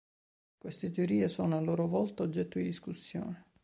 Queste teorie sono a loro volta oggetto di discussione.